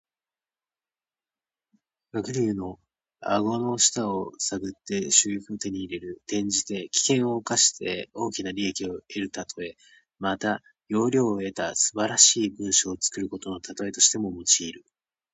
驪竜の顎の下を探って珠玉を手に入れる。転じて、危険を冒して大きな利益を得るたとえ。また、要領を得た素晴らしい文章を作ることのたとえとしても用いる。